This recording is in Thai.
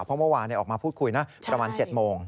เพราะเมื่อวานออกมาพูดคุยนะประมาณ๗โมง